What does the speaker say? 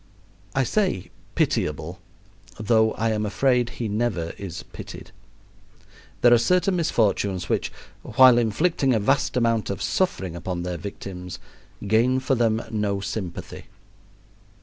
I say "pitiable," though I am afraid he never is pitied. There are certain misfortunes which, while inflicting a vast amount of suffering upon their victims, gain for them no sympathy.